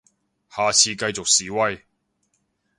下次繼續示威